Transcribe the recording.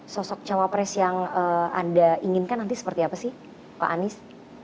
sosok cawapres yang anda inginkan nanti seperti apa sih pak anies